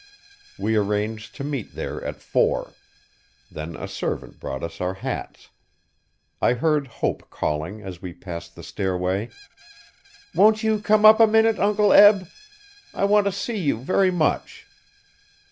We arranged to meet there at four. Then a servant brought us our hats. I heard Hope calling as we passed the stairway: 'Won't you come up a minute, Uncle Eb? I want to see you very much.'